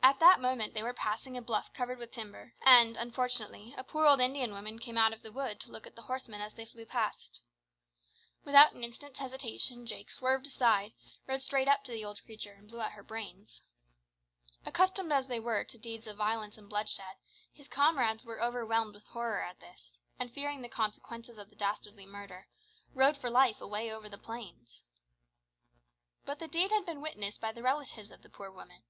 At that moment they were passing a bluff covered with timber, and, unfortunately, a poor old Indian woman came out of the wood to look at the horsemen as they flew past. Without an instant's hesitation Jake swerved aside, rode straight up to the old creature, and blew out her brains. Accustomed as they were to deeds of violence and bloodshed, his comrades were overwhelmed with horror at this, and, fearing the consequences of the dastardly murder, rode for life away over the plains. But the deed had been witnessed by the relatives of the poor woman.